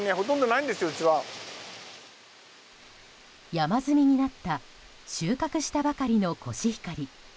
山積みになった収穫したばかりのコシヒカリ。